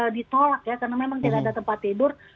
ditolak ya karena memang tidak ada tempat tidur